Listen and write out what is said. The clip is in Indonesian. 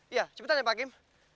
iya ciputan ya pak kim